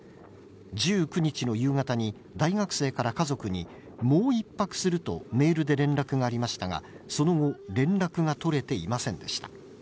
１９日の夕方に大学生から家族に、もう１泊するとメールで連絡がありましたが、その後、連絡が取れていませんでした。